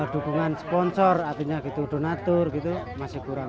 dukungan sponsor artinya gitu donatur gitu masih kurang